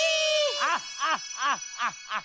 ハッハッハッハ！